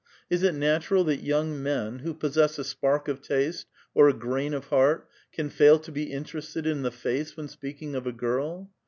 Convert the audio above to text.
Is it natural that young men, who possess a spark of taste, or a grain of heart, can fail to be interested in the face when speaking of a girl?